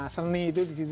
seni itu disitu